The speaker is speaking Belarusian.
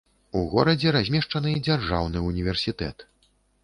У горадзе размешчаны дзяржаўны ўніверсітэт.